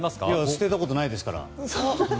捨てたことないですから。